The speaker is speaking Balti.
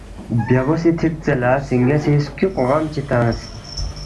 بیہ بوسی تِھک ژے لہ سِنگے سی سکیُوک غم چی تنگس